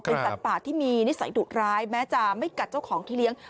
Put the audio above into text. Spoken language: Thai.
เป็นสัตว์ป่าที่มีนิสัยดุร้ายแม้จะไม่กัดเจ้าของที่เลี้ยง